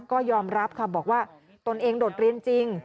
ก็ยอมรับค่ะบอกว่าตนเองโดดเรียนจริง